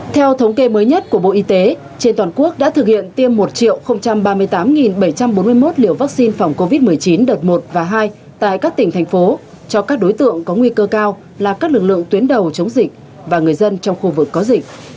theo thống kê mới nhất của bộ y tế trên toàn quốc đã thực hiện tiêm một ba mươi tám bảy trăm bốn mươi một liều vaccine phòng covid một mươi chín đợt một và hai tại các tỉnh thành phố cho các đối tượng có nguy cơ cao là các lực lượng tuyến đầu chống dịch và người dân trong khu vực có dịch